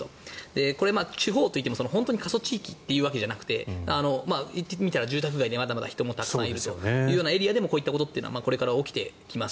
これは地方といっても本当に過疎地域というわけじゃなくて言ってみたら住宅街にまだまだ人もたくさんいるエリアでもこういうことがこれから起きてくる。